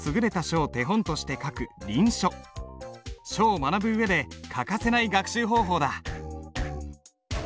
書を学ぶ上で欠かせない学習方法だ。